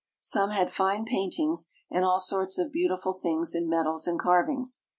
Some had fine paint ings and all sorts of beautiful things in metals and carv ings.